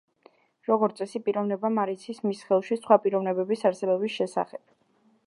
როგორც წესი, პიროვნებამ არ იცის მის სხეულში სხვა პიროვნებების არსებობის შესახებ.